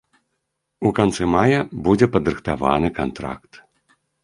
У канцы мая будзе падрыхтаваны кантракт.